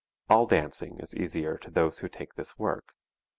All dancing is easier to those who take this work.